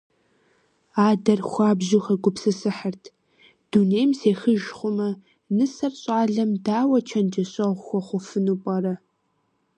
Адэр хуабжьу хэгупсысыхьырт: «Дунейм сехыж хъумэ, нысэр щӀалэм дауэ чэнджэщэгъу хуэхъуфыну пӀэрэ?».